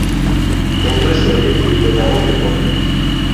Kongresua ireki dute dagoeneko.